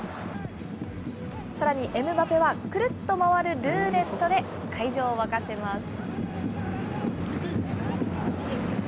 さらにエムバペは、くるっと回るルーレットで会場を沸かせます。